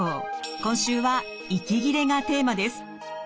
今週は「息切れ」がテーマです。